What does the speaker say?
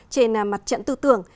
trên mặt trận tư tưởng